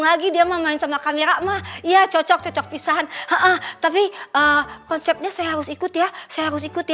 lagi dia mah main sama kamera mah iya cocok cocok pisan hahah tapi konsepnya saya harus ikut ya saya harus ikut ya